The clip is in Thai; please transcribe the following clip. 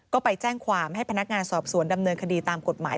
ก็ไปแจ้งความให้พนักงานสอบสวนดำเนินคดีตามกฎหมาย